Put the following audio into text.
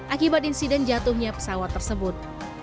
akibat insiden jatuhnya pesawat tersebut